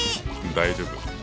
大丈夫。